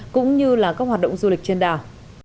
cũng như là các hoạt động du lịch trên đảo